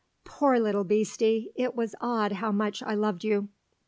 'Poor little beastie, it was odd how much I loved you.'"